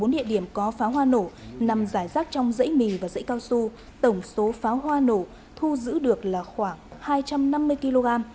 bốn địa điểm có pháo hoa nổ nằm giải rác trong dãy mì và dãy cao su tổng số pháo hoa nổ thu giữ được là khoảng hai trăm năm mươi kg